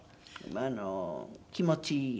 あの気持ちいい。